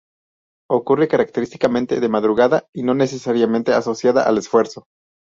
Ocurre característicamente de madrugada y no necesariamente asociada al esfuerzo.